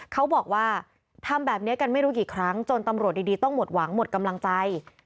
เขาบอกว่าทำแบบนี้กันไม่รู้กี่ครั้งจนตำรวจดีต้องหมดหวังหมดกำลังใจ